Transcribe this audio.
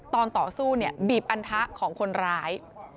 ต่อสู้บีบอันทะของคนร้าย